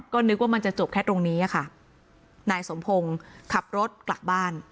ก็นึกว่ามันจะจบแค่ตรงนี้ค่ะนายสมพงศ์ขับรถกลับบ้าน